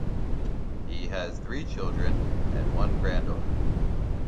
He has three children and one granddaughter.